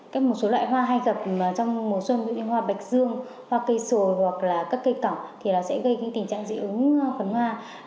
các một số loại hoa hay dập trong mùa xuân như hoa bạch dương hoa cây sồi hoặc là các cây tỏng thì nó sẽ gây tình trạng dị ứng phần hoa